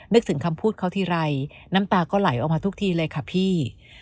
นึกถึงคำพูดเขาทีไรน้ำตาก็ไหลออกมาทุกทีเลยค่ะพี่